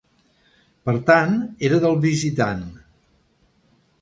Per tant, era del visitant.